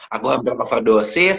aku ambil apapun dosis